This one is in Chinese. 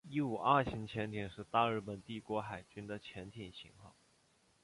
伊五二型潜艇是大日本帝国海军的潜舰型号。